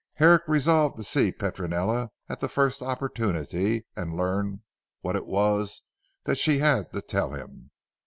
Herrick resolved to see Petronella at the first opportunity and learn what it was that she had to tell him.